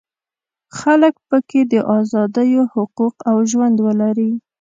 خلک په کې د ازادیو حقوق او ژوند ولري.